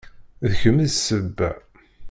D kemm i d sebba.